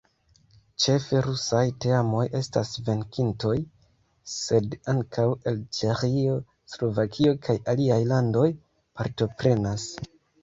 Ĉefe rusaj teamoj estas venkintoj, sed ankaŭ el Ĉeĥio, Slovakio kaj aliaj landoj partoprenas.